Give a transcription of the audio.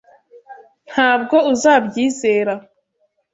Ntabwo uzabyizera.